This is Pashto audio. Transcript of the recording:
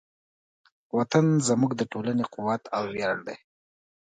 وطن زموږ د ټولنې قوت او ویاړ دی.